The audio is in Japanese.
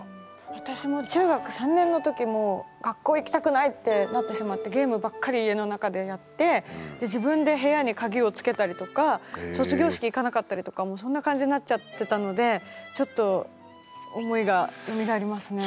私も中学３年の時もう学校行きたくないってなってしまってゲームばっかり家の中でやってで自分で部屋に鍵をつけたりとか卒業式行かなかったりとかもうそんな感じになっちゃってたのでちょっと思いがよみがえりますね。